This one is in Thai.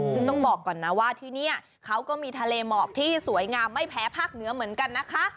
ซึ่งต้องบอกก่อนนะว่าที่นี่เขาก็มีทะเลหมอกที่สวยงามไม่แพ้ภาคเหนือเหมือนกันนะคะ